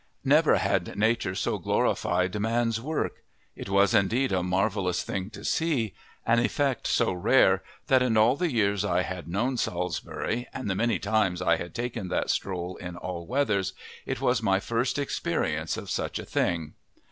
Never had Nature so glorified man's work! It was indeed a marvellous thing to see, an effect so rare that in all the years I had known Salisbury, and the many times I had taken that stroll in all weathers, it was my first experience of such a thing.